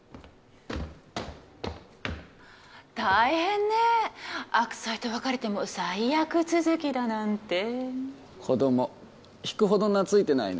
大変ね悪妻と別れても災厄続きだなんて子供引くほど懐いてないね